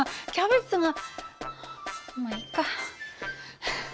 まあいいか。